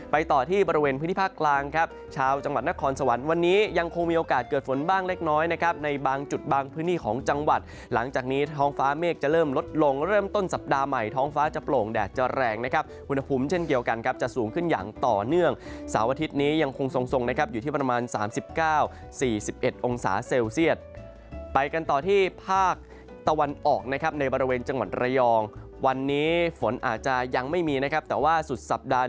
ไปต่อที่บริเวณพื้นที่ภาคกลางครับชาวจังหวัดนครสวรรค์วันนี้ยังคงมีโอกาสเกิดฝนบ้างเล็กน้อยนะครับในบางจุดบางพื้นที่ของจังหวัดหลังจากนี้ท้องฟ้าเมฆจะเริ่มลดลงเริ่มต้นสัปดาห์ใหม่ท้องฟ้าจะโปร่งแดดจะแรงนะครับอุณหภูมิเช่นเกี่ยวกันครับจะสูงขึ้นอย่างต่อเนื่องสาวอาท